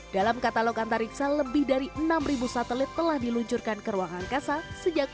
dalam katalog antariksa lebih dari enam satelit telah diluncurkan ke ruangan kasa sejak seribu sembilan ratus lima puluh tujuh